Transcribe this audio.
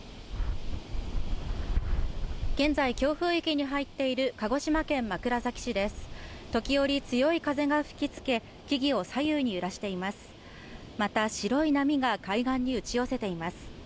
現在強風域に入っている鹿児島県枕崎市です時折強い風が吹きつけ木々を左右に揺らしていますまた白い波が海岸に打ち寄せています